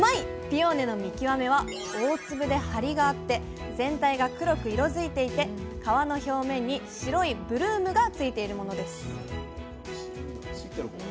ピオーネの見極めは大粒でハリがあって全体が黒く色づいていて皮の表面に白いブルームがついているものです！